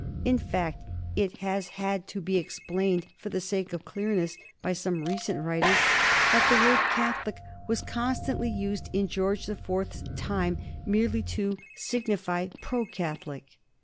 In fact, it has had to be explained, for the sake of clearness, by some recent writers, that the word "Catholic" was constantly used in George the Fourth's time merely to signify pro Catholic.